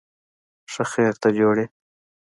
ښه خیر، ته جوړ یې؟